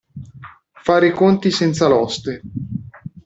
Fare i conti senza l'oste.